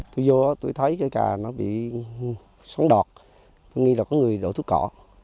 tôi vô tôi thấy cái cà nó bị xoắn đọt tôi nghĩ là có người đổ thuốc cỏ